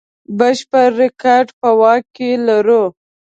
بشپړ ریکارډ په واک کې لرو.